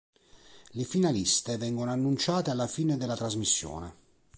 Le finaliste vengono annunciate alla fine della trasmissione.